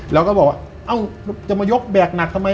แล้วก็บอกว่าเอ้าจะมายกแบกหนักทำไม